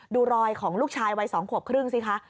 ดูรอยของลูกชายวัย๒ขวบครึ่งสิคะ